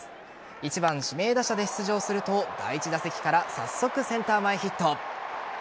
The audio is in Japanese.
１番・指名打者で出場すると第１打席から早速、センター前ヒット。